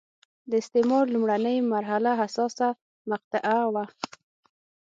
د استعمار لومړنۍ مرحله حساسه مقطعه وه.